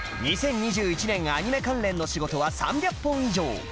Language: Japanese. ２０２１年アニメ関連の仕事は３００本以上